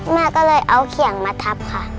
แม่ก็เลยเอาเขียงมาทับค่ะ